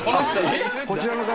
こちらの方。